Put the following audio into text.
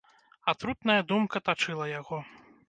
Атрутная думка тачыла яго.